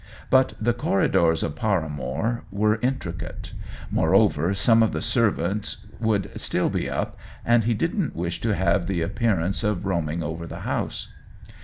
But the corridors of Paramore were intricate; moreover, some of the servants would still be up, and he didn't wish to have the appearance of roam 2l8 OWEN WINGRAVE ing over the house.